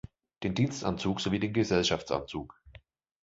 Den Dienstanzug sowie den Gesellschaftsanzug.